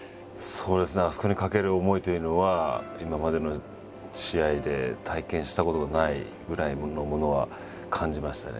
そうですねあそこに懸ける思いというのは今までの試合で体験したことがないぐらいのものは感じましたね。